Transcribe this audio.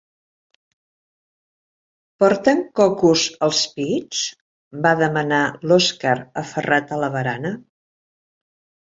Porten cocos als pits? —va demanar l'Oskar, aferrat a la barana.